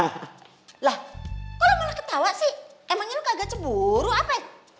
hah lah kok lo malah ketawa sih emangnya lo kagak cemburu apaan